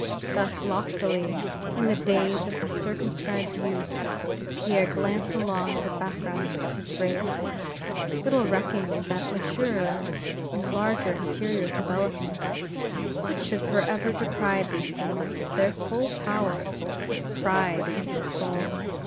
Thus loftily, in the days of his circumscribed youth, did Pierre glance along the background of his race; little recking of that maturer and larger interior development, which should forever deprive these things of their full power of pride in his soul.